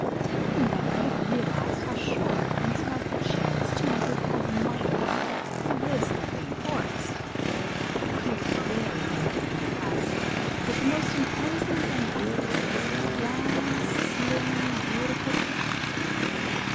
Danny never had realized how short until he chanced to meet his cousin Whitefoot, who lives in the Green Forest. He was very elegantly dressed, but the most imposing thing about him was his long, slim, beautiful tail.